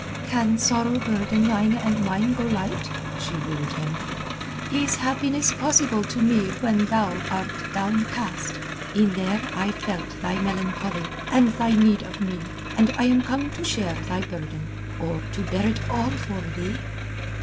"Can sorrow burden thine and mine go light?" she wooed him. "Is happiness possible to me when thou art downcast? In there I felt thy melancholy, and thy need of me, and I am come to share thy burden, or to bear it all for thee."